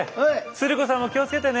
鶴子さんも気を付けてね！